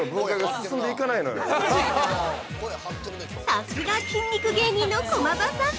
◆さすが筋肉芸人の駒場さん。